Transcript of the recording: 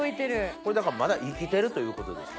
これだからまだ生きてるということですか？